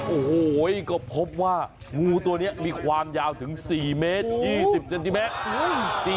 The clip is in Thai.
โอ้โหก็พบว่างูตัวนี้มีความยาวถึง๔เมตร๒๐เซนติเมตร